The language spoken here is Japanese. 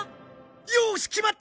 よし決まった！